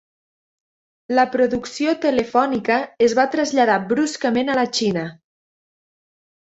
La producció telefònica es va traslladar bruscament a la Xina.